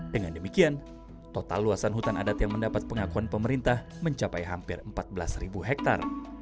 dengan demikian total luasan hutan adat yang mendapat pengakuan pemerintah mencapai hampir empat belas hektare